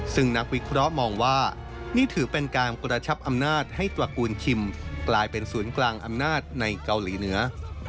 ซึ่งนักวิเคราะห์มองว่านี่ถือเป็นการกระชับอำนาจให้ตระกูลคิมกลายเป็นศูนย์กลางอำนาจในเกาหลีเหนือ